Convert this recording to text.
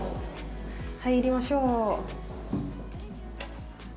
入りましょう。